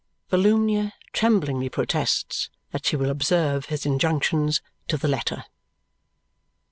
Volumnia tremblingly protests that she will observe his injunctions to the letter.